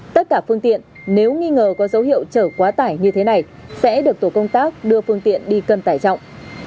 tất cả phương tiện nếu nghi ngờ có dấu hiệu chở quá tải như thế này sẽ được tổ công tác đưa phương tiện đi cân tải trọng